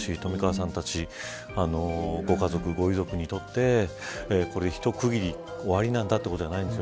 さんたちご家族ご遺族にとって一区切り、終わりなんだということではないんです。